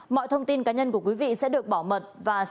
mọi thông tin cá nhân của quý vị sẽ được bảo mật